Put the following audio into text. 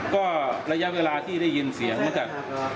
ก็ระยะเวลาที่ได้ยินเสียงเหมือนกับ